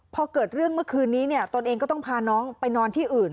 พอเกิดเรื่องเมื่อคืนนี้เนี่ยตนเองก็ต้องพาน้องไปนอนที่อื่น